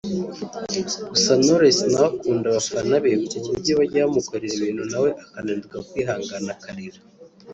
Gusa Knowless nawe akunda abafana be kuburyo bajya bamukorera ibintu nawe akananirwa kwihangana akarira